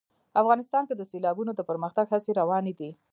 افغانستان کې د سیلابونه د پرمختګ هڅې روانې دي.